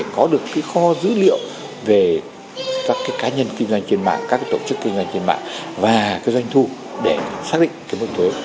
có dữ liệu về các cái cá nhân kinh doanh trên mạng các tổ chức kinh doanh trên mạng và cái doanh thu để xác định cái mức thuế